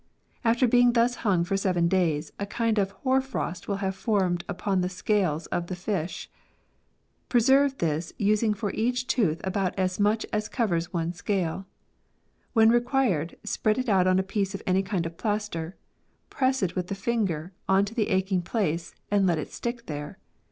After being thus hung for seven days, a kind of hoar frost will have formed upon the scales of the fish. Preserve this, using for each tooth about as much as covers one scale. When required, spread it on a piece of any kind of plaster, press it with the finger on to the aching place, and let it stick there.